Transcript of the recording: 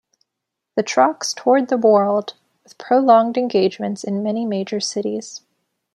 The "Trocks" toured the world, with prolonged engagements in many major cities.